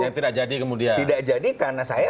yang tidak jadi kemudian tidak jadi karena saya